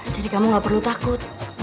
jadi kamu nggak perlu takut